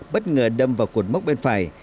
bất ngờ đâm vào cột mốc bên phải